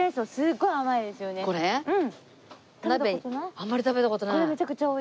あんまり食べた事ない。